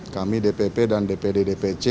kami dpp dan dpd dpc